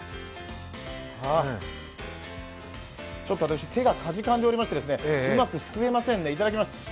ちょっと私、手がかじかんでおりまして、うまく救えません。